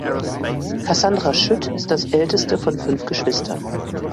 Cassandra Schütt ist das älteste von fünf Geschwistern.